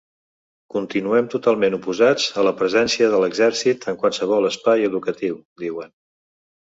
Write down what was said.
Continuem totalment oposats a la presència de l’exèrcit en qualsevol espai educatiu, diuen.